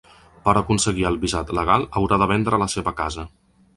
Per a aconseguir el visat legal, haurà de vendre la seva casa.